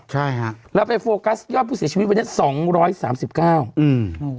ใช่ฮะเราไปโฟกัสยอดผู้เสียชีวิตวันนี้สองร้อยสามสิบเก้าอืม